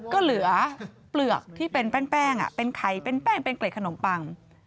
ก็เหลือเปลือกที่เป็นแป้งเป็นไข่เป็นแป้งเป็นเกร็ดขนมปัง